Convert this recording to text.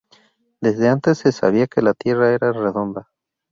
Desde antes se sabía que la tierra era redonda.